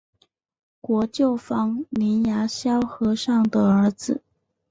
国舅房林牙萧和尚的儿子。